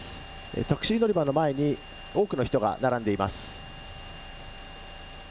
タクシー乗り場の前に多くの人が並んでいます。